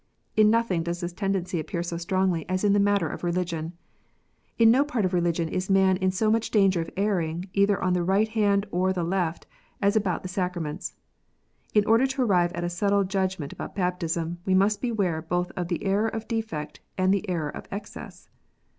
In nothing does this tendency appear so strongly as in the matter of religion. In no part of religion is man in so much danger of erring, either on the right hand or the left, as about the sacraments. In order to arrive at a settled judgment about baptism, we must beware both of the error of defect, and of the error of excess.